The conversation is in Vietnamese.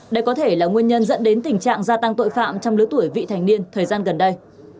đây có thể là nguyên nhân dẫn đến tình trạng gia tăng tội phạm trong lứa tuổi vị thành niên thời gian gần đây